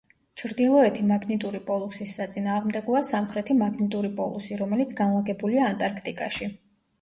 ჩრდილოეთი მაგნიტური პოლუსის საწინააღმდეგოა სამხრეთი მაგნიტური პოლუსი, რომელიც განლაგებულია ანტარქტიკაში.